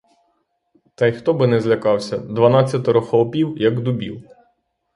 Та й хто би не злякався — дванадцятеро хлопів, як дубів.